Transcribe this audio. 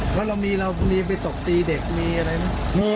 คือเรามีเรามีไปตกตีเด็กมีอะไรมั้ย